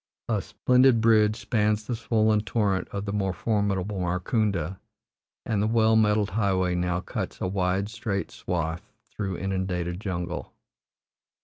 A splendid bridge spans the swollen torrent of the more formidable Markunda, and the well metalled highway now cuts a wide straight swath through inundated jungle.